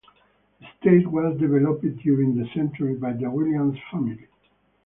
The estate was developed during that century by the Williams family.